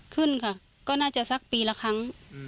ขึ้นค่ะก็น่าจะสักปีละครั้ง